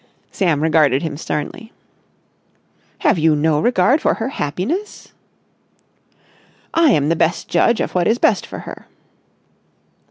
Sam regarded him sternly. "Have you no regard for her happiness?" "I am the best judge of what is best for her."